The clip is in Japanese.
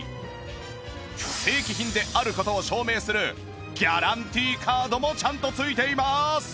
正規品である事を証明するギャランティカードもちゃんと付いています